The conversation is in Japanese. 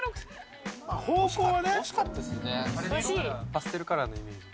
パステルカラーのイメージ。